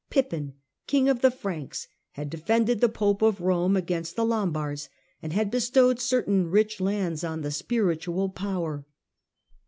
Pippin, King of the Franks, had defended the Pope of Rome against the Lombards and had bestowed certain rich lands on the spiritual power.